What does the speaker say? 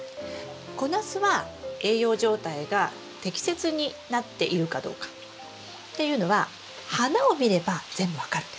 小ナスは栄養状態が適切になっているかどうかっていうのは花を見れば全部分かるんです。